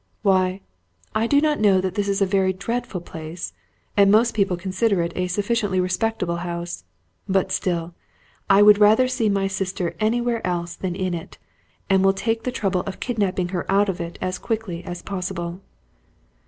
"Why, I do not know that this is a very dreadful place; and most people consider it a sufficiently respectable house; but, still, I would rather see my sister anywhere else than in it, and will take the trouble of kidnapping her out of it as quickly as possible."